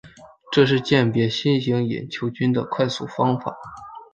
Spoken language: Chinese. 这是鉴别新型隐球菌的快速方法。